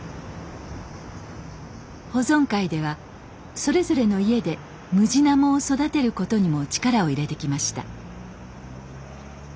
保存会ではそれぞれの家でムジナモを育てることにも力を入れてきました。